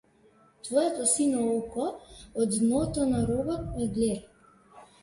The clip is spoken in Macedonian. Твоето сино око од дното на ровот ме гледа.